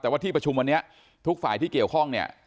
แต่ว่าที่ประชุมวันนี้ทุกฝ่ายที่เกี่ยวข้องเนี่ย